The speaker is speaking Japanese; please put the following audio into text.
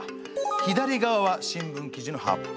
左側は新聞記事の発表。